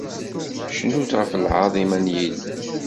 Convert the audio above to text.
Cnut ɣef lɛaḍima n Yillu.